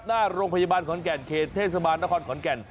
หน้าโรงพยาบาลขอนแก่นเขตเทศบาลนครขอนแก่น